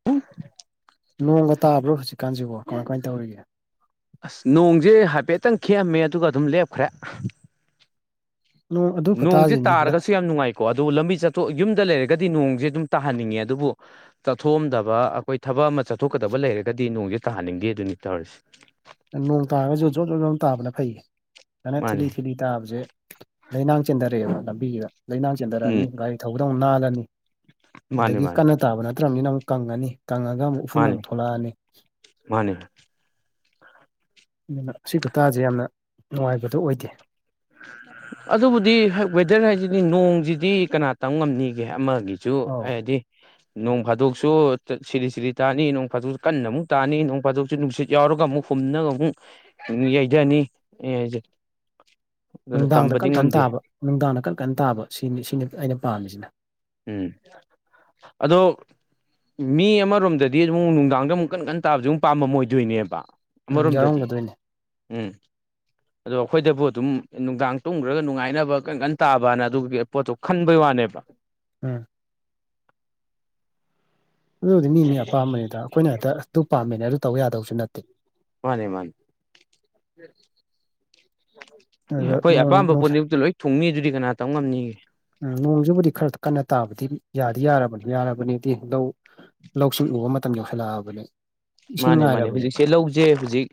[unintelligible] ꯅꯣꯡꯒ ꯇꯥꯕ꯭ꯔꯣ ꯍꯧꯖꯤꯛꯀꯥꯟꯁꯤꯕꯣ ꯀꯃꯥꯏ ꯀꯃꯥꯏꯅ ꯇꯧꯔꯤꯒꯦ ꯑꯁ ꯅꯣꯡꯁꯦ ꯍꯥꯏꯐꯦꯠꯇꯪ ꯈꯤꯛꯑꯃꯦ ꯑꯗꯨꯒ ꯑꯗꯨꯝ ꯂꯦꯞꯈ꯭ꯔꯦ ꯅꯣꯡ ꯑꯗꯨ ꯅꯣꯡꯁꯦ ꯈꯨꯇꯥꯁꯤꯅꯤ ꯇꯥꯔꯒꯁꯨ ꯌꯥꯝ ꯅꯨꯡꯉꯥꯏꯀꯣ ꯑꯗꯨ ꯂꯝꯕꯤ ꯆꯠꯊꯣꯛ ꯌꯨꯝꯗ ꯂꯩꯔꯒꯗꯤ ꯅꯣꯡꯁꯦ ꯑꯗꯨꯝ ꯇꯥꯍꯟꯅꯤꯡꯉꯦ ꯑꯗꯨꯕꯨ ꯆꯠꯊꯣꯛꯑꯝꯗꯕ ꯑꯩꯈꯣꯏ ꯊꯕꯛ ꯑꯃ ꯆꯠꯊꯣꯛꯀꯗꯕ ꯂꯩꯔꯒꯗꯤ ꯅꯣꯡꯁꯦ ꯇꯥꯍꯟꯅꯤꯡꯗꯦ ꯑꯗꯨꯅꯤ ꯇꯧꯔꯤꯁꯦ ꯅꯣꯡ ꯇꯥꯔꯒꯁꯨ ꯖꯣꯝ ꯖꯣꯝ ꯖꯣꯝ ꯇꯥꯕꯅ ꯐꯩꯌꯦ ꯁꯨꯃꯥꯏꯅ ꯃꯥꯅꯤ ꯊꯤꯂꯤ ꯊꯤꯂꯤ ꯇꯥꯕꯁꯦ ꯂꯩꯅꯥꯡ ꯆꯦꯟꯊꯔꯛꯑꯦꯕ ꯂꯝꯕꯤꯁꯤꯗ ꯂꯩꯅꯥꯡ ꯆꯦꯟꯊꯔꯛꯑꯅꯤ ꯎꯝ ꯒꯥꯔꯤ ꯊꯧꯕꯗ ꯑꯃꯨꯛ ꯅꯥꯜꯂꯅꯤ ꯃꯥꯅꯤ ꯑꯗꯒꯤ ꯃꯥꯅꯤ ꯀꯟꯅ ꯇꯥꯕ ꯅꯠꯇ꯭ꯔꯕꯅꯤꯅ ꯑꯃꯨꯛ ꯀꯪꯉꯅꯤ ꯀꯪꯉꯒ ꯑꯃꯨꯛ ꯎꯐꯨꯟ ꯑꯃꯨꯛ ꯊꯣꯛꯂꯛꯑꯅꯤ ꯃꯥꯅꯦ ꯑꯗꯨꯅ ꯑꯁꯤ ꯈꯨꯇꯥꯥꯁꯦ ꯌꯥꯝꯅ ꯅꯨꯡꯉꯥꯏꯕꯗꯣ ꯑꯣꯏꯗꯦ ꯑꯗꯨꯕꯨꯗꯤ ꯋꯦꯗꯔ ꯍꯥꯏꯁꯤꯗꯤ ꯅꯣꯡꯁꯤꯗꯤ ꯀꯅꯥ ꯇꯝ ꯉꯝꯅꯤꯒꯦ ꯑꯃꯒꯤ ꯨ ꯑꯧ ꯍꯥꯏꯗꯤ ꯅꯣꯡ ꯐꯥꯗꯣꯛꯁꯨ ꯁꯤꯔꯤ ꯁꯤꯔꯤ ꯇꯥꯅꯤ ꯅꯣꯡ ꯐꯥꯗꯣꯛꯁꯨ ꯀꯟꯅ ꯑꯃꯨꯛ ꯇꯥꯅꯤ ꯅꯣꯡ ꯐꯥꯗꯣꯛꯁꯨ ꯅꯨꯡꯁꯤꯠ ꯌꯥꯎꯔꯒ ꯑꯃꯨꯛ ꯍꯨꯝꯅꯒ ꯑꯃꯨꯛ ꯌꯩꯊꯅꯤꯁ ꯅꯨꯡꯗꯥꯡꯗ ꯀꯟ ꯀꯥꯟ ꯇꯥꯕ ꯅꯨꯡꯗꯥꯡꯗ ꯀꯟ ꯀꯥꯟ ꯇꯥꯕ ꯁꯤꯅꯤ ꯁꯤꯅꯤ ꯑꯩꯅ ꯄꯥꯝꯃꯤꯁꯤꯅ ꯎꯝ ꯑꯗꯣ ꯃꯤ ꯑꯃꯔꯣꯝꯗꯗꯤ ꯑꯃꯨꯛ ꯅꯨꯡꯗꯥꯡꯗ ꯑꯃꯨꯛ ꯀꯟ ꯀꯟ ꯇꯥꯕꯁꯨ ꯑꯃꯛ ꯄꯥꯝꯃꯝ ꯑꯣꯏꯗꯣꯏꯅꯦꯕ ꯎꯝ ꯑꯃꯔꯣꯝꯗꯗꯤ ꯌꯥꯎꯔꯝꯒꯗꯣꯏꯅꯦ ꯎꯝ ꯑꯗꯣ ꯑꯩꯈꯣꯏꯗꯕꯨ ꯑꯗꯨꯝ ꯅꯨꯡꯗꯥꯡ ꯇꯨꯝꯈ꯭ꯔꯒ ꯅꯨꯡꯉꯥꯏꯅꯕ ꯀꯟ ꯀꯥꯟ ꯇꯥꯕꯅ ꯑꯗꯨꯒꯤ ꯄꯣꯠꯇꯣ ꯈꯟꯕꯩ ꯋꯥꯅꯦꯕ ꯎꯝ ꯑꯗꯨꯕꯨꯗꯤ ꯃꯤ ꯃꯤ ꯑꯄꯥꯝꯕꯅꯤꯗ ꯑꯩꯈꯣꯏꯅ ꯍꯦꯛꯇ ꯑꯗꯨ ꯄꯥꯝꯃꯦꯅꯦ ꯑꯗꯨ ꯇꯧ ꯌꯥꯗꯕꯁꯨ ꯅꯠꯇꯦ ꯃꯥꯅꯦ ꯃꯥꯅꯦ ꯑꯦ ꯑꯗꯨꯗ ꯑꯩꯈꯣꯏ ꯅꯣꯡ ꯑꯄꯥꯝꯕ ꯄꯣꯠꯅꯤꯃꯛꯇ ꯂꯣꯏ ꯊꯨꯡꯅꯤ ꯑꯗꯨꯗꯤ ꯀꯅꯥ ꯇꯧ ꯉꯝꯅꯤꯒꯦ ꯎꯝ ꯅꯣꯡꯁꯤꯕꯨꯗꯤ ꯈꯔ ꯀꯟꯅ ꯇꯥꯕꯗꯤ ꯌꯥꯗꯤ ꯌꯥꯔꯕꯅꯤ ꯌꯥꯔꯕꯅꯤꯗꯤ ꯂꯧ ꯂꯧꯁꯤꯡ ꯎꯕ ꯃꯇꯝ ꯌꯧꯁꯤꯜꯂꯛꯑꯕꯅꯦ ꯃꯥꯅꯦ ꯃꯥꯅꯦ ꯍꯧꯖꯤꯛꯁꯦ ꯂꯧꯁꯦ ꯍꯧꯖꯤꯛ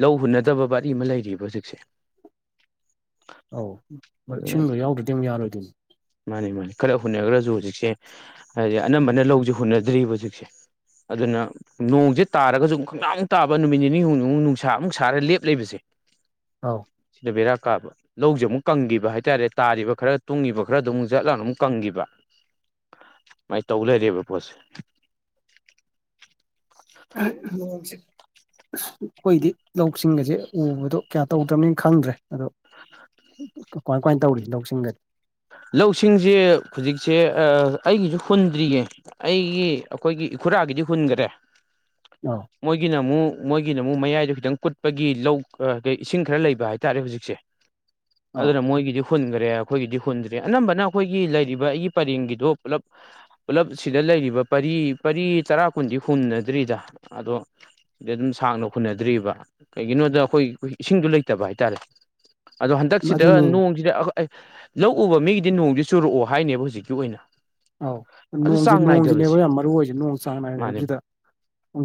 ꯂꯧ ꯍꯨꯟꯅꯗꯕ ꯕꯥ ꯑꯃ ꯂꯩꯔꯤꯕ ꯍꯧꯖꯤꯛꯁꯦ ꯑꯧ ꯑꯗꯨꯅ ꯏꯁꯤꯡꯗꯣ ꯌꯥꯎꯗ꯭ꯔꯗꯤ ꯑꯃꯨꯛ ꯌꯥꯔꯣꯏꯗꯣꯏꯅꯤ ꯃꯥꯅꯤ ꯃꯥꯅꯤ ꯈꯔ ꯍꯨꯟꯅꯈ꯭ꯔꯁꯨ ꯍꯧꯖꯤꯛꯁꯦ ꯍꯥꯏꯗꯤ ꯑꯅꯝꯕꯅ ꯂꯧꯁꯦ ꯍꯨꯟꯅꯗ꯭ꯔꯤꯕ ꯍꯧꯖꯤꯛꯁꯦ ꯑꯗꯨꯅ ꯅꯣꯡꯁꯦ ꯇꯥꯔꯒꯁꯨ ꯈꯪꯃꯨꯛ ꯇꯥꯕ ꯅꯨꯃꯤꯠ ꯅꯤꯅꯤ ꯍꯨꯨꯛ ꯅꯨꯡꯁꯥ ꯑꯃꯨꯛ ꯁꯥꯔꯒ ꯂꯦꯞ ꯂꯩꯕꯁꯦ ꯑꯥꯎ ꯁꯤꯗ ꯕꯦꯔꯥ ꯀꯥꯕ ꯂꯧꯁꯦ ꯑꯃꯨꯛ ꯀꯪꯈꯤꯕ ꯍꯥꯏꯇꯥꯔꯦ ꯇꯥꯔꯤꯕ ꯈꯔ ꯇꯨꯡꯉꯤꯕ ꯈꯔ ꯑꯗꯨꯝꯛ ꯠꯂꯒ ꯑꯃꯨꯛ ꯀꯪꯈꯤꯕ ꯁꯨꯃꯥꯏꯅ ꯇꯧ ꯂꯩꯔꯦꯕ ꯄꯣꯠꯁꯦ ꯍ ꯑ ꯑꯩꯈꯣꯏꯗꯤ ꯂꯧꯁꯤꯡꯒꯁꯦ ꯎꯕꯗꯣ ꯀꯌꯥ ꯇꯧꯗ꯭ꯔꯕꯅꯤ ꯈꯪꯗ꯭ꯔꯦ ꯑꯗꯣ ꯀꯃꯥꯏ ꯀꯃꯥꯏ ꯇꯧꯔꯤ ꯂꯧꯁꯤꯡꯒꯗꯤ ꯂꯧꯁꯤꯡꯁꯦ ꯍꯧꯖꯤꯛꯁꯦ ꯑꯩꯒꯤꯁꯨ ꯍꯨꯟꯗ꯭ꯔꯤꯌꯦ ꯑꯩꯒꯤ ꯑꯩꯈꯣꯏꯒꯤ ꯏꯈꯨꯔꯥꯒꯤꯗꯤ ꯍꯨꯟꯈꯔꯦ ꯑꯧ ꯃꯣꯏꯒꯤꯅ ꯑꯃꯨꯛ ꯃꯣꯏꯒꯤꯅ ꯑꯃꯨꯛ ꯃꯌꯥꯏꯗꯣ ꯈꯤꯇꯪ ꯀꯨꯠꯄꯒꯤ ꯂꯧ ꯀ ꯏꯁꯤꯡ ꯈꯔ ꯂꯩꯕ ꯍꯥꯏꯇꯥꯔꯦ ꯍꯧꯖꯤꯛꯁꯦ ꯑꯧ ꯑꯗꯨꯅ ꯃꯣꯏꯒꯤꯗꯤ ꯍꯨꯟꯈ꯭ꯔꯦ ꯑꯩꯈꯣꯏꯒꯤꯗꯤ ꯐꯨꯟꯗ꯭ꯔꯦ ꯑꯅꯝꯕꯅ ꯑꯩꯈꯣꯏꯒꯤ ꯂꯩꯔꯤꯕ ꯑꯩꯒꯤ ꯄꯔꯦꯡꯒꯤꯗꯣ ꯄꯨꯂꯞ ꯄꯨꯂꯞ ꯁꯤꯗ ꯂꯩꯔꯤꯕ ꯄꯔꯤ ꯄꯔꯤ ꯇꯔꯥ ꯀꯨꯟꯗꯤ ꯍꯨꯟꯅꯗ꯭ꯔꯤꯗ ꯑꯗꯣ ꯑꯗꯨꯝ ꯁꯥꯡꯅ ꯍꯨꯅꯗ꯭ꯔꯤꯕ ꯀꯩꯒꯤꯅꯣꯗ ꯑꯩꯈꯣꯏ ꯏꯁꯤꯡꯗꯣ ꯂꯩꯇꯕ ꯍꯥꯏꯇꯥꯔꯦ ꯑꯗꯣ ꯍꯟꯗꯛꯁꯤꯗ ꯑꯗꯨꯅꯤ ꯅꯣꯡꯁꯤꯗ ꯂꯧ ꯎꯕ ꯃꯤꯒꯤꯗꯤ ꯅꯣꯡꯁꯤ ꯆꯨꯔꯛꯑꯣ ꯍꯥꯏꯅꯦꯕ ꯍꯧꯖꯤꯛꯀꯤ ꯑꯣꯏꯅ ꯑꯧ ꯑꯗꯨ ꯅꯣꯡꯁꯤꯦ ꯆꯥꯡ ꯅꯥꯏꯗꯕꯁꯦ ꯅꯣꯡꯁꯤꯅꯦꯕ ꯌꯥꯝ ꯃꯔꯨ ꯑꯣꯏꯁꯦ ꯅꯣꯡ ꯆꯥꯡ ꯃꯥꯅꯦ ꯅꯥꯏꯗꯕꯁꯤꯗ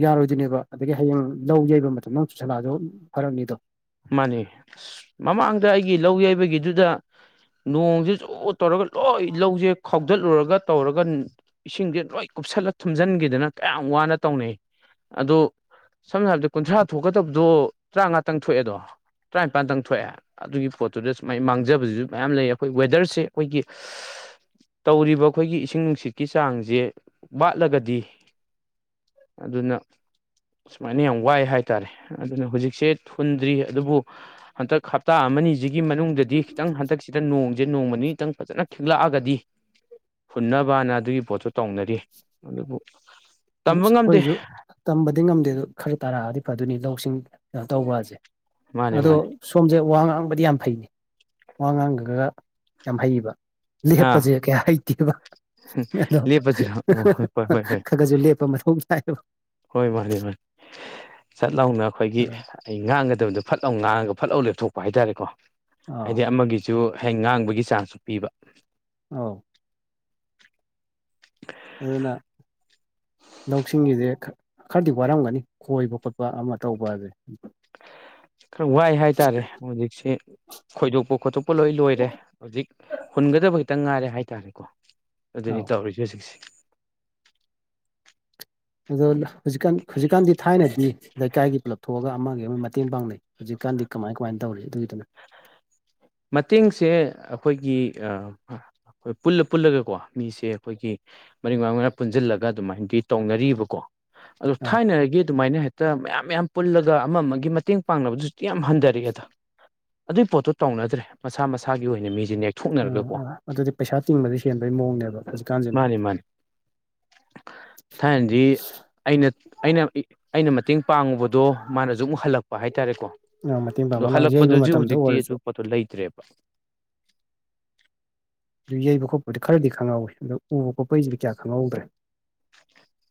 ꯌꯥꯔꯣꯏꯗꯣꯏꯅꯦꯕ ꯑꯗꯒꯤ ꯍꯌꯦꯡ ꯂꯧ ꯌꯩꯕ ꯃꯇꯝꯗ ꯆꯨꯁꯂꯗꯣ ꯐꯔꯛꯅꯤꯗꯣ ꯃꯥꯅꯤ ꯑꯁ ꯃꯃꯥꯡꯗ ꯑꯩꯒꯤ ꯂꯧ ꯌꯩꯕꯒꯤꯗꯨꯗ ꯅꯣꯡꯁꯦ ꯆꯣ ꯇꯧꯔꯒ ꯂꯣꯏ ꯂꯧꯁꯦ ꯈꯧꯗꯠꯂꯨꯔꯒ ꯇꯧꯔꯒ ꯏꯁꯤꯡꯁꯦ ꯂꯣꯏ ꯀꯨꯞꯁꯜꯂ ꯊꯨꯝꯖꯤꯟꯈꯤꯗꯅ ꯀꯌꯥꯝ ꯋꯥꯅ ꯇꯧꯅꯩ ꯑꯗꯣ ꯁꯝꯅ ꯍꯥꯏꯔꯕꯗ ꯀꯨꯟꯊ꯭ꯔꯥ ꯊꯣꯛꯀꯗꯕꯗꯣ ꯇꯔꯥ ꯉꯥꯇꯪ ꯊꯣꯛꯑꯦꯗꯣ ꯇꯔꯥꯅꯤꯄꯥꯟꯗꯪ ꯊꯣꯛꯑꯦ ꯑꯗꯨꯒꯤ ꯄꯣꯠꯇꯨꯗ ꯁꯨꯃꯥꯏꯅ ꯃꯥꯡꯖꯕꯁꯤꯁꯨ ꯃꯌꯥꯝ ꯂꯩ ꯑꯩꯈꯣꯏ ꯋꯦꯗꯔꯁꯦ ꯑꯩꯈꯣꯏꯒꯤ ꯇꯧꯔꯤꯕ ꯑꯩꯈꯣꯏꯒꯤ ꯏꯁꯤꯡ ꯅꯨꯡꯁꯤꯠꯀꯤ ꯆꯥꯡꯁꯦ ꯋꯥꯠꯂꯒꯗꯤ ꯑꯗꯨꯅ ꯁꯨꯃꯥꯏꯅ ꯌꯥꯝ ꯋꯥꯏ ꯍꯥꯏꯇꯥꯔꯦ ꯑꯗꯨꯅ ꯍꯧꯖꯤꯛꯁꯦ ꯊꯨꯟꯗ꯭ꯔꯤ ꯑꯗꯨꯕꯨ ꯍꯟꯗꯛ ꯍꯞꯇꯥ ꯑꯃꯅꯤꯁꯤꯒꯤ ꯃꯅꯨꯡꯗꯗꯤ ꯈꯤꯇꯪ ꯍꯟꯗꯛꯁꯤꯗ ꯅꯣꯡꯁꯦ ꯅꯣꯡꯃꯅꯤ ꯈꯤꯇꯪ ꯐꯖꯅ ꯊꯤꯂꯛꯑꯒꯗꯤ ꯍꯨꯟꯅꯕꯅ ꯑꯗꯨꯒꯤ ꯄꯣꯠꯁꯨꯣ ꯇꯧꯅꯔꯤ ꯑꯗꯨꯕꯨ ꯑ ꯇꯝꯕ ꯉꯝꯗꯦ ꯑꯩꯈꯣꯏꯁꯨ ꯇꯝꯕꯗꯤ ꯉꯝꯗꯦ ꯑꯗꯨ ꯈꯔ ꯇꯥꯔꯛꯑꯗꯤ ꯐꯗꯣꯏꯅꯤ ꯂꯧꯁꯤꯡ ꯇꯧꯕꯁꯦ ꯃꯥꯅꯦ ꯑꯗꯣ ꯃꯥꯅꯦ ꯁꯣꯝꯁꯦ ꯋꯥ ꯉꯥꯡꯕꯗꯤ ꯌꯥꯝ ꯐꯩꯅꯤ ꯋꯥ ꯉꯥꯡꯈꯒ ꯌꯥꯝ ꯍꯩꯕ ꯑꯥ ꯂꯦꯞꯄꯁꯦ ꯀꯌꯥ ꯍꯩꯇꯦꯕ ꯑꯗꯣ ꯂꯦꯞꯄꯁꯤꯔ ꯑꯣ ꯍꯣꯏ ꯍꯣꯏ ꯍꯣꯏ ꯍꯣꯏ ꯈ ꯈꯁꯨꯞ ꯈꯨ ꯁꯥꯏ ꯍꯣꯏ ꯃꯥꯅꯤ ꯃꯥꯅꯤ ꯆꯠ ꯂꯥꯎꯅ ꯑꯩꯈꯣꯏꯒꯤ ꯑꯩ ꯉꯥꯡꯒꯗꯕꯗꯣ ꯐꯠꯂꯥꯎ ꯉꯥꯡꯉꯒ ꯐꯠ ꯂꯥꯎ ꯂꯦꯞꯊꯣꯛꯄ ꯍꯥꯏꯇꯥꯔꯦꯀꯣ ꯑꯥ ꯍꯥꯏꯗꯤ ꯑꯃꯒꯤ ꯁꯨ ꯍꯦꯛ ꯉꯥꯡꯕꯒꯤ ꯆꯥꯟꯁꯁꯨ ꯄꯤꯕ ꯑꯥꯎ ꯑꯗꯨꯅ ꯂꯧꯁꯤꯡꯒꯤꯁꯦ ꯈꯔꯗꯤ ꯋꯥꯔꯝꯒꯅꯤ ꯈꯣꯏꯕ ꯈꯣꯠꯄ ꯑꯃ ꯇꯧꯕ ꯑꯁꯦ ꯈꯔ ꯋꯥꯏ ꯍꯥꯏꯇꯥꯔꯦ ꯍꯧꯖꯤꯛꯁꯤ ꯈꯣꯏꯗꯣꯛꯄ ꯈꯣꯠꯇꯣꯛꯄ ꯂꯣꯏ ꯂꯣꯏꯔꯦ ꯍꯧꯖꯤꯛ ꯍꯨꯟꯒꯗꯕ ꯈꯤꯇꯪ ꯉꯥꯏꯔꯦ ꯍꯥꯏꯇꯥꯔꯦꯀꯣ ꯑꯗꯨꯅꯤ ꯑꯧ ꯇꯧꯔꯤꯁꯦ ꯍꯧꯖꯤꯛꯁꯦ ꯑꯗꯣ ꯍꯧꯖꯤꯛꯀꯥꯟ ꯍꯧꯖꯤꯛꯀꯥꯟꯗꯤ ꯊꯥꯏꯅꯗꯤ ꯂꯩꯀꯥꯏꯒꯤ ꯄꯨꯂꯞ ꯊꯣꯛꯑꯒ ꯑꯃꯒꯤ ꯑꯣꯏꯅ ꯃꯇꯦꯡ ꯄꯥꯡꯅꯩ ꯍꯧꯖꯤꯛꯀꯥꯟꯗꯤ ꯀꯃꯥꯏ ꯀꯃꯥꯏꯅ ꯇꯧꯔꯤ ꯑꯗꯨꯒꯤꯗꯨꯅ ꯃꯇꯦꯡꯁꯦ ꯑꯩꯈꯣꯏꯒꯤ ꯄꯨꯜꯂ ꯄꯨꯜꯂꯒꯀꯣ ꯃꯤꯁꯦ ꯑꯩꯈꯣꯏꯒꯤ ꯃꯔꯤꯛ ꯃꯔꯥꯡ ꯃꯅ ꯄꯨꯟꯁꯤꯜꯂꯒ ꯑꯗꯨꯃꯥꯏꯅꯗꯤ ꯇꯧꯅꯔꯤꯕꯀꯣ ꯑꯗ ꯑꯧ ꯊꯥꯏꯅꯔꯒꯤ ꯑꯗꯨꯃꯥꯏꯅ ꯍꯦꯛꯇ ꯃꯌꯥꯝ ꯃꯌꯥꯝ ꯄꯨꯜꯂꯒ ꯑꯃ ꯑꯃꯒꯤ ꯃꯇꯦꯡ ꯄꯥꯡꯅꯕꯗꯨ ꯀꯌꯥꯝ ꯍꯟꯊꯔꯛꯑꯦꯗ ꯑꯗꯨꯏ ꯄꯣꯠꯇꯣ ꯇꯧꯅꯗ꯭ꯔꯦ ꯃꯁꯥ ꯃꯁꯥꯒꯤ ꯑꯣꯏꯅ ꯃꯤꯁ ꯅꯦꯛ ꯎꯝ ꯑꯥ ꯑꯗꯨꯗꯤ ꯄꯩꯁꯥ ꯇꯤꯡꯕꯗꯤ ꯍꯦꯟꯕꯩ ꯃꯑꯣꯡꯅꯦꯕ ꯍꯧꯖꯤꯛꯀꯥꯟꯁꯤꯅ ꯃꯥꯅꯤ ꯃꯥꯅꯤ ꯊꯥꯏꯅꯖꯤ ꯑꯩꯅ ꯑꯩꯅ ꯑꯩꯅ ꯃꯇꯦꯡ ꯄꯥꯡꯉꯨꯕꯗꯣ ꯃꯥꯅꯁꯨ ꯑꯃꯨꯛ ꯍꯜꯂꯛꯄ ꯍꯥꯏꯇꯥꯔꯦꯀꯣ ꯃꯇꯦꯡ ꯑ ꯄꯥꯡꯕ ꯂꯥꯡ ꯌꯩꯕ ꯍꯜꯂꯛꯄꯗꯨꯁꯨ ꯃꯇꯝꯗ ꯍꯧꯖꯤꯛꯇꯤ ꯑꯣꯏꯔꯁꯨ ꯑꯗꯨ ꯄꯣꯠꯇꯣ ꯂꯩꯇ꯭ꯔꯦꯕ ꯑꯗꯨ ꯌꯩꯕ ꯈꯣꯠꯄꯗꯨ ꯈꯔꯗꯤ ꯈꯪꯍꯧꯋꯤ ꯑꯗꯣ ꯎꯕ ꯈꯣꯠꯄꯩꯁꯤꯗꯤ ꯀꯌꯥ ꯈꯪꯍꯧꯗ꯭ꯔꯦ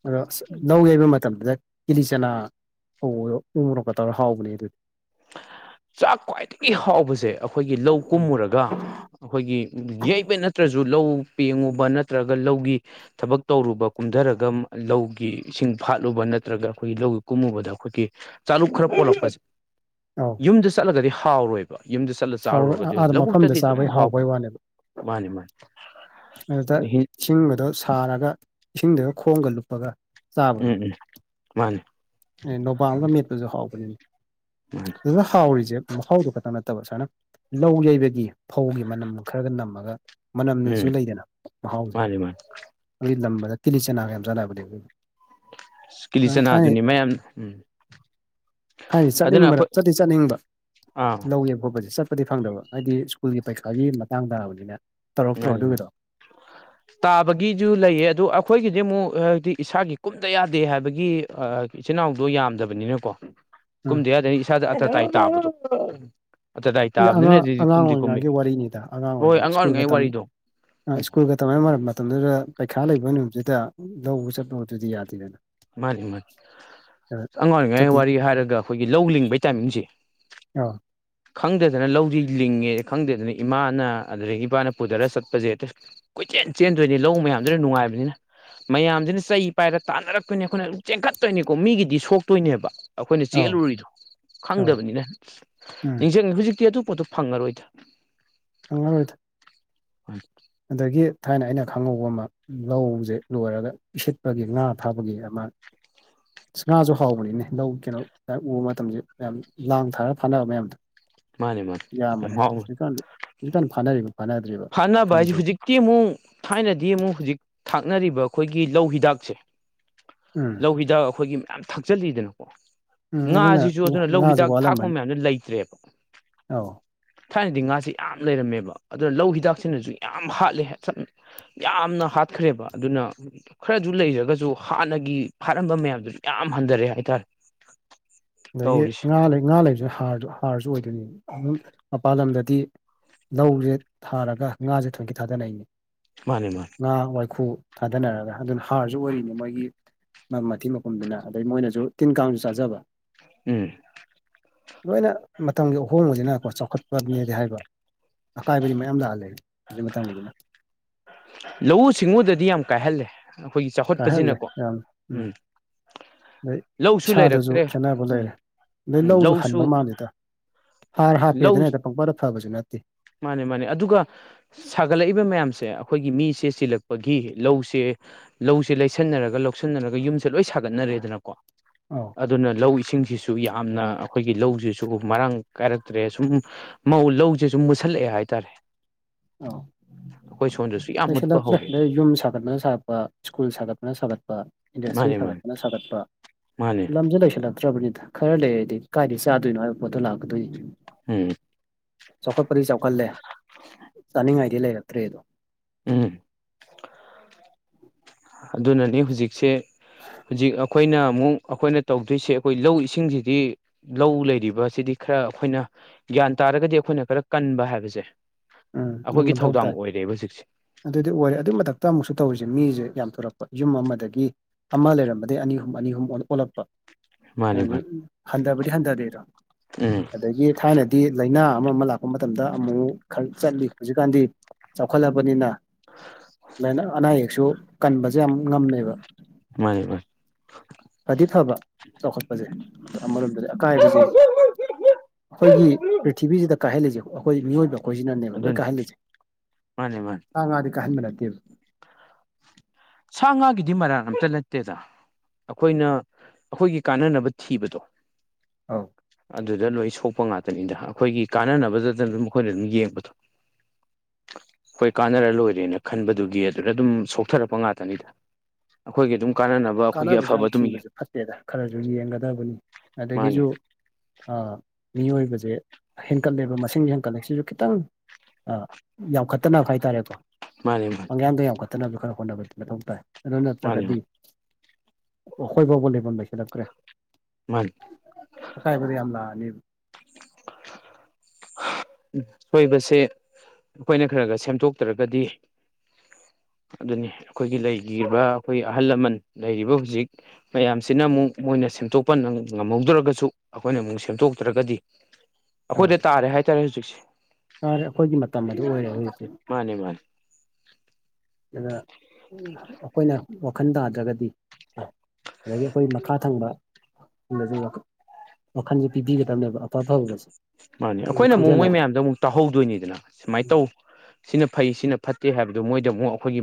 ꯑꯗꯣ ꯑꯁ ꯂꯧ ꯌꯩꯕ ꯃꯇꯝꯗꯨꯗ ꯀꯤꯂꯤ ꯆꯅꯥ ꯎꯔꯣꯛꯀ ꯇꯧꯔ ꯍꯥꯎꯕꯅꯦ ꯑꯗꯨꯗꯤ ꯆꯥꯛ ꯈ꯭ꯋꯥꯏꯗꯒꯤ ꯍꯥꯎꯕꯁꯦ ꯑꯩꯈꯣꯏꯒꯤ ꯂꯧ ꯀꯨꯝꯃꯨꯔꯒ ꯑꯩꯈꯣꯏꯒꯤ ꯌꯩꯕ ꯅꯠꯇ꯭ꯔꯁꯨ ꯂꯧ ꯄꯦꯡꯉꯨꯕ ꯅꯠꯇ꯭ꯔꯒ ꯂꯧꯒꯤ ꯊꯕꯛ ꯇꯧꯔꯨꯕ ꯀꯨꯝꯊꯔꯒ ꯂꯧꯒꯤ ꯏꯁꯤꯡ ꯐꯥꯠꯂꯨꯕ ꯅꯠꯇ꯭ꯔꯒ ꯑꯩꯈꯣꯏꯒꯤ ꯂꯧꯒ ꯀꯨꯝꯃꯨꯕꯗ ꯑꯩꯈꯣꯏꯒꯤ ꯆꯥꯂꯨꯛ ꯈꯔ ꯄꯣꯜꯂꯛꯄꯁꯦ ꯑꯧ ꯌꯨꯝꯗ ꯆꯠꯂꯒꯗꯤ ꯍꯥꯎꯔꯣꯏꯕ ꯌꯨꯝꯗ ꯆꯠꯂ ꯍꯥꯎꯔ ꯆꯥꯔꯨꯔꯒꯗꯤ ꯑꯥꯗ ꯃꯐꯝꯗ ꯂꯧꯕꯨꯛꯇꯗꯤ ꯑꯗꯨꯝ ꯆꯥꯕꯩ ꯍꯥꯎꯕꯩ ꯍꯥꯎꯕꯅꯤ ꯋꯥꯅꯦꯕ ꯃꯥꯅꯤ ꯃꯥꯅꯤ ꯍ ꯊꯔꯒ ꯏꯁꯤꯡꯗꯨꯒ ꯈꯣꯡꯒ ꯂꯨꯞꯄꯒ ꯆꯥꯕꯗꯣ ꯎꯝ ꯎꯝ ꯃꯥꯅꯤ ꯑꯦ ꯅꯣꯕꯥꯜꯒ ꯃꯦꯠꯄꯁꯨ ꯍꯥꯎꯕꯅꯤꯅꯦ ꯃꯥꯅꯤ ꯑꯗꯨꯗ ꯍꯥꯎꯔꯤꯁꯦ ꯃꯍꯥꯎꯗꯨ ꯈꯛꯇꯪ ꯅꯠꯇꯕ ꯁꯨꯃꯥꯏꯅ ꯂꯧ ꯌꯩꯕꯒꯤ ꯐꯧꯒꯤ ꯃꯅꯝ ꯈꯔꯒ ꯅꯝꯃꯒ ꯃꯅꯝ ꯁꯨ ꯎꯝ ꯂꯩꯗꯅ ꯃꯍꯥꯎꯁꯦ ꯃꯥꯅꯤ ꯃꯥꯅꯤ ꯑꯗꯨꯒꯤ ꯂꯝꯕꯗ ꯇꯤꯂꯤ ꯆꯅꯥꯒ ꯌꯥꯝ ꯆꯥꯟꯅꯕꯅꯦ ꯍꯧꯖꯤ ꯀꯤꯂꯤꯆꯅꯥ ꯑꯗꯨꯅꯤ ꯃꯌꯥꯝ ꯎꯝ ꯍꯥꯏꯗꯤ ꯑꯗꯨꯅ ꯆꯠꯅꯤꯡꯕꯗ ꯑꯩꯈꯣꯏ ꯆꯠꯇꯤ ꯆꯠꯅꯤꯡꯕ ꯑꯥ ꯂꯧꯋꯦꯕ ꯈꯣꯠꯄꯁꯦ ꯆꯠꯄꯗꯤ ꯐꯪꯗꯕ ꯍꯥꯏꯗꯤ ꯁ꯭ꯀꯨꯜꯒꯤ ꯄꯔꯤꯈꯥꯒꯤ ꯃꯇꯥꯡ ꯇꯥꯕꯅꯤꯅ ꯇꯧꯔꯛꯇ꯭ꯔꯣ ꯉꯔꯤ ꯑꯗꯨꯒꯤꯗꯣ ꯇꯥꯕꯒꯤꯁꯨ ꯂꯩꯌꯦ ꯑꯗꯣ ꯑꯩꯈꯣꯏꯒꯤꯗꯤ ꯑꯃꯨꯛ ꯍꯥꯏꯗꯤ ꯏꯁꯥꯒꯤ ꯀꯨꯝꯗ ꯌꯥꯗꯦ ꯍꯥꯏꯕꯒꯤ ꯏꯆꯤꯟ ꯏꯅꯥꯎꯗꯣ ꯌꯥꯝꯗꯕꯅꯤꯅꯀꯣ ꯎꯝ ꯀꯨꯝꯗ ꯌꯥꯗꯅꯤ ꯏꯁꯥꯗ ꯑꯇꯇꯥꯏ ꯇꯥꯕꯗꯣ ꯎ ꯑꯉꯥꯡ ꯑꯉꯥꯡ ꯑꯣꯏꯔꯤꯉꯥꯒꯤ ꯋꯥꯔꯤꯅꯤꯗ ꯑꯉꯥꯡ ꯍꯣꯏ ꯑꯣꯏꯔꯤꯉ ꯑꯣꯏꯔꯤꯉꯩ ꯁ꯭ꯀꯨꯜꯒꯝ ꯋꯥꯔꯤꯗꯣ ꯎꯝ ꯁ꯭ꯀꯨꯜꯒ ꯇꯧꯅ ꯃꯔ ꯃꯇꯝꯗꯨꯗ ꯄꯩꯈꯥ ꯂꯩꯕ ꯅꯨꯃꯤꯠꯁꯤꯗ ꯂꯧꯕ ꯆꯠꯄ ꯑꯗꯨꯗꯤ ꯌꯥꯗꯦꯗꯅ ꯃꯥꯅꯤ ꯃꯥꯅꯤ ꯑꯁ ꯑꯉꯥꯡ ꯑꯣꯏꯔꯤꯉꯥꯏ ꯆꯠꯇꯤ ꯋꯥꯔꯤ ꯍꯥꯏꯔꯒ ꯑꯩꯈꯣꯏꯒꯤ ꯂꯧ ꯂꯤꯡꯕꯩ ꯇꯥꯏꯃꯤꯡꯁꯦ ꯑꯧ ꯈꯪꯗꯗꯅ ꯂꯧꯗꯤ ꯂꯤꯡꯉꯦ ꯈꯪꯗꯗꯅ ꯏꯃꯥꯅ ꯑꯗꯨꯗꯒꯤ ꯏꯄꯥꯅ ꯄꯨꯊꯔ ꯆꯠꯄꯁꯦ ꯀꯣꯏꯆꯦꯟ ꯆꯦꯟꯗꯣꯏꯅꯦ ꯂꯧ ꯃꯌꯥꯝꯗꯨꯅ ꯅꯨꯡꯉꯥꯏꯕꯅꯤꯅ ꯃꯌꯥꯝꯗꯨꯅ ꯆꯩ ꯄꯥꯏꯔꯒ ꯇꯥꯟꯅꯔꯛ ꯑꯩꯈꯣꯏꯅꯦ ꯑꯩꯈꯣꯏꯅ ꯑꯗꯨꯝ ꯆꯦꯟꯈꯠꯇꯣꯏꯅꯤꯀꯣ ꯃꯤꯒꯤꯗꯤ ꯁꯣꯛꯇꯣꯏꯅꯦꯕ ꯑꯩꯈꯣꯏꯅ ꯑꯧ ꯆꯦꯜꯂꯨꯔꯤꯗꯣ ꯑꯧ ꯈꯪꯗꯕꯅꯤꯅ ꯎꯝ ꯅꯤꯡꯁꯤꯡꯉꯦ ꯍꯧꯖꯤꯛꯇꯤ ꯑꯇꯣꯞꯄꯗꯣ ꯐꯪꯉꯔꯣꯏꯗ ꯑꯪꯥꯡ ꯑꯣꯏꯣꯏꯦ ꯍꯣꯏ ꯑꯗꯒꯤ ꯊꯥꯏꯅ ꯑꯩꯅ ꯈꯪꯍꯧꯕ ꯑꯃ ꯂꯧꯁꯦ ꯂꯣꯏꯔꯒ ꯏꯁꯤꯠꯄꯒꯤ ꯉꯥ ꯐꯥꯕꯒꯤ ꯑꯃ ꯉꯥꯁꯨ ꯍꯥꯎꯕꯅꯤꯅꯦ ꯂꯧ ꯀꯩꯅꯣ ꯎꯕ ꯃꯇꯝꯁꯦ ꯌꯥꯝꯌꯥꯝ ꯂꯥꯡ ꯊꯥꯔꯒ ꯐꯥꯅꯕ ꯃꯌꯥꯝꯗꯣ ꯃꯥꯅꯦ ꯃꯥꯅꯦ ꯌꯥꯝ ꯌꯥꯝꯕꯅꯦ ꯍꯥꯎ ꯍꯧꯖꯤꯛꯀꯥꯟ ꯍꯧꯖꯤꯛꯀꯥꯟ ꯐꯥꯅꯔꯤꯕ ꯐꯥꯅꯗ꯭ꯔꯤꯕ ꯐꯥꯅꯕ ꯍꯥꯏꯁꯤꯦ ꯈꯪꯗ꯭ꯔꯤ ꯍꯧꯖꯤꯛꯇꯤ ꯑꯃꯨꯛ ꯊꯥꯏꯅꯗꯤ ꯑꯃꯨꯛ ꯍꯧꯖꯤꯛ ꯊꯥꯛꯅꯔꯤꯕ ꯑꯩꯈꯣꯏꯒꯤ ꯂꯧ ꯍꯤꯗꯥꯛꯁꯦ ꯎꯝ ꯂꯧꯕꯤꯗ ꯑꯩꯈꯣꯏꯒꯤ ꯃꯌꯥꯝ ꯊꯛꯆꯜꯂꯤꯗꯅꯀꯣ ꯎꯝ ꯑꯗꯨꯅ ꯉꯥꯁꯤꯁꯨ ꯑꯗꯨꯅ ꯂꯧ ꯉꯥꯁꯦ ꯍꯤꯗꯥꯛ ꯊꯥꯛꯄ ꯃꯌꯥꯝꯗꯨ ꯂꯩꯇ꯭ꯔꯦꯕ ꯑꯥꯎ ꯊꯥꯏꯅꯗꯤ ꯉꯥꯥꯁꯦ ꯌꯥꯝ ꯂꯩꯔꯝꯃꯦꯕ ꯑꯗꯨꯅ ꯂꯧ ꯍꯤꯗꯥꯛꯁꯤꯅꯁꯨ ꯌꯥꯝ ꯍꯥꯠꯂꯦ ꯌꯥꯝꯅ ꯍꯥꯠꯈ꯭ꯔꯦꯕ ꯑꯗꯨꯅ ꯈꯔꯁꯨ ꯂꯩꯔꯒꯁꯨ ꯍꯥꯟꯅꯒꯤ ꯐꯥꯔꯝꯕ ꯃꯌꯥꯝꯗꯨꯁꯨ ꯌꯥꯝ ꯍꯟꯊꯔꯛꯑꯦ ꯍꯥꯏꯇꯥꯔꯦ ꯑꯗꯒꯤ ꯇꯧꯔꯤꯁꯦ ꯉꯥ ꯂꯩ ꯉꯥ ꯂꯩꯕꯁꯨꯁꯨ ꯍꯥꯔꯁꯨ ꯑꯣꯏꯗꯣꯏꯅꯤ ꯃꯄꯥꯟ ꯂꯝꯗꯗꯤ ꯂꯧꯁꯦ ꯊꯥꯔꯒ ꯉꯥꯁꯦ ꯊꯣꯏꯀꯤ ꯊꯥꯗꯅꯩꯅꯤ ꯃꯥꯅꯦ ꯃꯥꯅꯦ ꯉꯥ ꯋꯥꯏꯈꯨ ꯊꯥꯗꯅꯔꯒ ꯑꯗꯨꯅ ꯍꯥꯔꯁꯨ ꯑꯣꯏꯔꯤꯅꯤ ꯃꯣꯏꯒꯤ ꯃꯊꯤ ꯃꯨꯝꯗꯨꯅ ꯑꯗꯩ ꯃꯣꯏꯅꯁꯨ ꯇꯤꯟ ꯀꯥꯡꯁꯨ ꯆꯥꯖꯕ ꯎꯝ ꯂꯣꯏꯅ ꯃꯇꯝꯒꯤ ꯑꯍꯣꯡꯕꯁꯤꯅꯀꯣ ꯆꯥꯎꯈꯠꯄꯅꯦꯗꯤ ꯍꯥꯏꯕ ꯑꯀꯥꯏꯕꯗꯤ ꯃꯌꯥꯝ ꯂꯥꯛꯍꯜꯂ ꯑꯗꯨ ꯃꯇꯥꯡꯅꯤꯅ ꯂꯧꯎ ꯁꯤꯡꯎꯗꯗꯤ ꯌꯥꯝ ꯀꯥꯏꯍꯜꯂꯦ ꯑꯩꯈꯣꯏꯒꯤ ꯀꯥꯏꯍꯜꯂꯦ ꯆꯥꯎꯈꯠꯄꯁꯤꯅꯀꯣ ꯌꯥꯝ ꯎꯝ ꯑꯗꯩ ꯂꯧꯁꯨ ꯏꯁꯥꯗꯁꯨ ꯂꯩꯔꯛꯇ꯭ꯔꯦ ꯈꯦꯠꯅꯕ ꯎꯝ ꯂꯩꯔꯦ ꯑꯗꯩ ꯂꯧꯁꯨ ꯍꯟꯕ ꯃꯥꯜꯂꯦꯗ ꯍꯥꯔ ꯂꯧ ꯍꯥꯞꯄꯦꯗꯅ ꯍꯛꯇ ꯄꯪꯄꯗ ꯐꯕꯁꯨ ꯅꯠꯇꯦ ꯃꯥꯅꯦ ꯃꯥꯅꯦ ꯑꯗꯨꯒ ꯁꯥꯒꯠꯂꯛꯏꯕ ꯃꯌꯥꯝꯁꯦ ꯑꯩꯈꯣꯏꯒꯤ ꯃꯤꯁꯦ ꯆꯤꯜꯂꯛꯄꯒꯤ ꯂꯧꯁꯦ ꯂꯧꯁꯤꯦ ꯂꯩꯁꯟꯅꯔꯒ ꯂꯧꯁꯟꯅꯔꯒ ꯌꯨꯝꯁꯦ ꯂꯣꯏ ꯁꯥꯒꯠꯅꯔꯦꯗꯅꯀꯣ ꯑꯥꯎ ꯑꯗꯨꯅ ꯂꯧ ꯏꯁꯤꯡꯁꯤꯁꯨ ꯌꯥꯝꯅ ꯑꯩꯈꯣꯏꯒꯤ ꯂꯧꯁꯤꯁꯨ ꯃꯔꯥꯡ ꯀꯥꯏꯔꯛꯇ꯭ꯔꯦ ꯁꯨꯝ ꯃꯧ ꯂꯧꯁꯤꯦꯁꯨ ꯃꯨꯁꯜꯂꯛꯑꯦ ꯍꯥꯏꯇꯥꯔꯦ ꯑꯥ ꯍꯣꯏ ꯁꯣꯟꯁꯤ ꯅꯁꯨꯗꯣꯛꯇ꯭ꯔꯦ ꯌꯨꯝ ꯁꯥꯒꯠꯄꯅ ꯁꯥꯒꯠꯄ ꯁ꯭ꯀꯨꯜ ꯁꯥꯒꯠꯄꯅ ꯁꯥꯒꯠꯄ ꯏꯟꯗꯁꯇ꯭ꯔꯤ ꯃꯥꯅꯦ ꯃꯥꯅꯦ ꯁꯥꯒꯠꯄꯅ ꯁꯥꯒꯠꯄ ꯃꯥꯅꯦ ꯂꯝꯁꯦ ꯂꯩꯁꯜꯂꯝꯕ ꯐꯠꯇ꯭ꯔꯕꯅꯤꯅ ꯈꯔ ꯂꯩꯔꯗꯤ ꯀꯥꯏꯗꯗꯒꯤ ꯆꯥꯗꯣꯏꯅꯣ ꯍꯥꯏꯕ ꯄꯣꯠꯇꯣ ꯂꯥꯛꯀꯗꯣꯏꯅꯤ ꯎꯝ ꯆꯥꯎꯈꯠꯄꯗꯤ ꯆꯥꯎꯈꯠꯂꯦ ꯆꯥꯅꯤꯡꯉꯥꯏꯗꯤ ꯂꯩꯔꯛꯇ꯭ꯔꯦꯗꯣ ꯎꯝ ꯑꯗꯨꯅꯅꯤ ꯍꯧꯖꯤꯛꯁꯦ ꯍꯧꯖꯤꯛ ꯑꯩꯈꯣꯏꯅ ꯑꯃꯨꯛ ꯑꯩꯈꯣꯏꯅ ꯇꯧꯗꯣꯏꯁꯦ ꯑꯩꯈꯣꯏ ꯂꯧ ꯏꯁꯤꯡꯁꯤꯗꯤ ꯂꯧ ꯂꯩꯔꯤꯕ ꯑꯁꯤꯗꯤ ꯈꯔ ꯑꯩꯈꯣꯏꯅ ꯒ꯭ꯌꯥꯟ ꯇꯥꯔꯒꯗꯤ ꯑꯩꯈꯣꯏꯅ ꯈꯔ ꯀꯟꯕ ꯍꯥꯏꯕꯁꯦ ꯎꯝ ꯑꯗꯨꯝ ꯑꯩꯈꯣꯏꯒꯤ ꯃꯊꯧ ꯊꯧꯗꯥꯡ ꯇꯥꯏ ꯑꯣꯏꯔꯦꯕ ꯍꯧꯖꯤꯛꯁꯦ ꯑꯗꯨꯗꯤ ꯑꯣꯏꯔꯦ ꯑꯗꯨꯏ ꯃꯊꯛꯇ ꯑꯃꯨꯛꯁꯨ ꯇꯧꯔꯤꯁꯦ ꯃꯤꯁꯦ ꯌꯥꯝ ꯊꯣꯔꯛꯄ ꯌꯨꯝ ꯑꯃꯗꯒꯤ ꯑꯃ ꯂꯩꯔꯝꯕꯗꯒꯤ ꯑꯅꯤ ꯑꯍꯨꯝ ꯑꯅꯤ ꯑꯍꯨꯝ ꯑꯣꯜꯂꯛꯄ ꯃꯥꯅꯦ ꯃꯥꯅꯦ ꯍꯟꯊꯕꯗꯤ ꯍꯟꯊꯗꯦꯗꯣ ꯎꯝ ꯑꯗꯒꯤ ꯊꯥꯏꯅꯗꯤ ꯂꯥꯏꯅꯥ ꯑꯃ ꯑꯃ ꯂꯥꯛꯄ ꯃꯇꯝꯗ ꯑꯃꯨꯛ ꯈꯔ ꯆꯠꯂꯤ ꯍꯧꯖꯤꯛꯀꯥꯟꯗꯤ ꯆꯥꯎꯈꯠꯂꯕꯅꯤꯅ ꯑꯅꯥ ꯑꯌꯦꯛꯁꯨ ꯀꯟꯕꯁꯦ ꯌꯥꯝ ꯉꯝꯃꯦꯕ ꯃꯥ ꯃꯥ ꯈꯔꯗꯤ ꯐꯕ ꯆꯥꯎꯈꯠꯄꯁꯦ ꯑꯣ ꯑꯃꯔꯣꯝꯗꯗꯤ ꯑꯀꯥꯏꯕꯁꯦ ꯑꯩꯈꯣꯏꯒꯤ ꯄ꯭ꯔꯤꯊꯤꯕꯤꯁꯤꯗ ꯀꯥꯏꯍꯜꯂꯤꯁꯦ ꯑꯩꯈꯣꯏ ꯃꯤꯑꯣꯏꯕ ꯑꯩꯈꯣꯏꯁꯤꯅꯅꯦꯕ ꯂꯣꯏ ꯑꯗꯨꯅꯤ ꯀꯥꯏꯍꯜꯜꯂꯤꯁꯦ ꯃꯥꯅꯦ ꯃꯥꯅꯦ ꯍꯥꯡꯉ ꯃꯥꯗꯤ ꯀꯍꯟꯃꯤꯂꯠꯇꯦꯕ ꯁꯥ ꯉꯥꯒꯤꯗꯤ ꯃꯔꯥ ꯑꯝꯇ ꯅꯠꯇꯦꯗ ꯑꯩꯈꯣꯏꯅ ꯑꯩꯈꯣꯏꯒꯤ ꯀꯥꯟꯅꯅꯕ ꯊꯤꯕꯗꯣ ꯑꯧ ꯑꯗꯨꯗ ꯂꯣꯏ ꯁꯣꯛꯄ ꯉꯥꯛꯇꯅꯤ ꯏꯗ ꯑꯩꯈꯣꯏꯒꯤ ꯀꯥꯟꯅꯅꯕꯗꯗꯅ ꯑꯗꯨꯝ ꯃꯈꯈꯣꯏꯅ ꯑꯗꯨꯝ ꯌꯦꯡꯕꯗꯣ ꯍꯣꯏ ꯀꯥꯟꯅꯔ ꯂꯣꯏꯔꯦꯅ ꯈꯟꯕꯗꯨꯒꯤ ꯑꯗꯨꯗ ꯑꯗꯨꯝ ꯁꯣꯛꯊꯔꯛꯄ ꯉꯥꯛꯇ ꯅꯤꯗ ꯑꯩꯈꯣꯏꯒꯤ ꯑꯗꯨꯝ ꯀꯥꯟꯅꯅꯕ ꯑꯩꯈꯣꯏꯒꯤ ꯀꯥꯟꯅꯕꯁꯨ ꯌꯥꯝ ꯑꯐꯕ ꯑꯗꯨꯝ ꯊꯤꯕꯁꯨ ꯐꯠꯇꯦꯗ ꯈꯔꯁꯨ ꯌꯦꯡꯒꯗꯕꯅꯤ ꯃꯥꯅꯦ ꯑꯗꯒꯤꯁꯨ ꯃꯤꯑꯣꯏꯕꯁꯦ ꯍꯦꯟꯀꯠꯂꯦꯕ ꯃꯁꯤꯡ ꯍꯦꯟꯀꯠꯂꯦꯁꯤꯁꯨ ꯈꯤꯇꯪ ꯌꯥꯝꯈꯠꯇꯅꯕ ꯍꯥꯏꯇꯥꯔꯦꯀꯣ ꯃꯥꯅꯦ ꯃꯥꯅꯦ ꯑꯪꯌꯥꯥꯡꯗꯣ ꯌꯥꯝꯈꯠꯇꯅꯕꯁꯨ ꯈꯔ ꯍꯣꯠꯅꯕꯗꯤ ꯃꯊꯧ ꯇꯥꯏ ꯑꯗꯨ ꯃꯥꯅꯦ ꯅ꯭ꯔꯒꯗꯤ ꯑꯩꯈꯣꯏ ꯐꯥꯎꯕ ꯂꯦꯐꯝꯣꯟ ꯂꯁꯤꯜꯂꯛꯇ꯭ꯔꯦ ꯃꯥꯅꯦ ꯑꯀꯥꯏꯕꯗ ꯌꯥꯝ ꯂꯥꯛꯑꯅꯤ ꯁꯣꯏꯕꯁꯦ ꯑꯩꯈꯣꯏꯅ ꯈꯔ ꯈꯔ ꯁꯦꯝꯗꯣꯛꯇ꯭ꯔꯒꯗꯤ ꯑꯗꯨꯅꯤ ꯑꯩꯈꯣꯏꯒꯤ ꯂꯩ ꯑꯩꯈꯣꯏꯒꯤ ꯑꯍꯜ ꯂꯃꯟ ꯂꯩꯔꯤꯕ ꯍꯧꯖꯤꯛ ꯃꯌꯥꯝꯁꯤꯅ ꯑꯃꯨꯛ ꯃꯣꯏꯅ ꯁꯦꯝꯗꯣꯛꯄ ꯉꯝꯍꯧꯗ꯭ꯔꯒꯁꯨ ꯑꯩꯈꯣꯏꯅ ꯑꯃꯨꯛ ꯁꯦꯝꯗꯣꯛꯇ꯭ꯔꯒꯗꯤ ꯑꯩꯈꯣꯏꯗ ꯇꯥꯔꯦ ꯍꯥꯏꯇꯥꯔꯦ ꯍꯧꯖꯤꯛꯁꯦ ꯑꯔꯦ ꯑꯩꯈꯣꯏꯒꯤ ꯃꯇꯝ ꯑꯗꯨ ꯑꯣꯏꯔꯦ ꯍꯧꯖꯤꯛꯁꯦ ꯃꯥꯅꯦ ꯃꯥꯅꯦ ꯑꯗ ꯑꯩꯈꯣꯏꯅ ꯋꯥꯈꯜ ꯇꯥꯗ꯭ꯔꯒꯗꯤ ꯑꯗꯒꯤ ꯑꯩꯈꯣꯏ ꯃꯈꯥ ꯊꯪꯕ ꯁꯈ ꯋꯥꯈꯜꯁꯦ ꯄꯤꯕꯤꯒꯗꯕꯅꯦꯕ ꯑꯐ ꯑꯐꯕꯒꯁꯦ ꯃꯥꯅꯦ ꯑꯩꯈꯣꯏꯅ ꯑꯃꯨꯛ ꯃꯣꯏ ꯃꯌꯥꯝꯗꯣ ꯑꯃꯨꯛ ꯇꯧꯍꯧꯗꯣꯏꯅꯤꯗꯅ ꯁꯨꯃꯥꯏꯅ ꯇꯧ ꯁꯤꯅ ꯐꯩ ꯁꯤꯅ ꯐꯠꯇꯦ ꯍꯥꯏꯕꯗꯨꯣ ꯃꯣꯏꯗ ꯑꯃꯨꯛ ꯑꯩꯈꯣꯏꯒꯤ